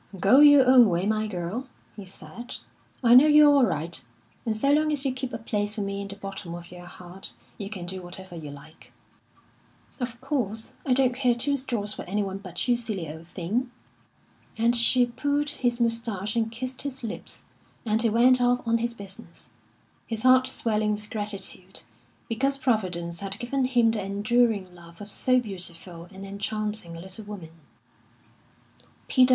"Go your own way, my girl," he said; "I know you're all right. And so long as you keep a place for me in the bottom of your heart, you can do whatever you like." "Of course, I don't care two straws for anyone but you, silly old thing!" And she pulled his moustache and kissed his lips; and he went off on his business, his heart swelling with gratitude, because Providence had given him the enduring love of so beautiful and enchanting a little woman.